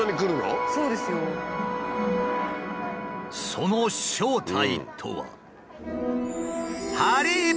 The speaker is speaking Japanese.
その正体とは。